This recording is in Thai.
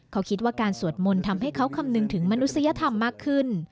เขาคิดว่าการสวดมนต์ทำให้เขาคำนึงถึงมนุษยธรรมมากขึ้น